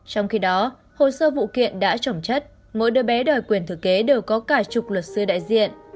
trong khi đó hồ sơ vụ kiện đã trổng chất mỗi đứa bé đòi quyền thử kế đều có cả chục luật sư đại diện